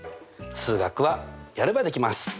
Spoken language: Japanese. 数学はやればできます！